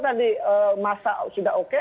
tadi masa sudah oke